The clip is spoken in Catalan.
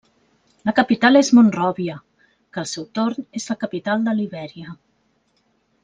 La capital és Monròvia, que al seu torn és la capital de Libèria.